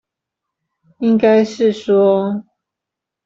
應該是說